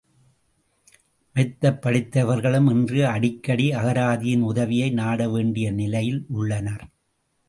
மெத்தப் படித்தவர்களும் இன்று அடிக்கடி அகராதியின் உதவியை நாடவேண்டிய நிலையில் உள்ளனர்.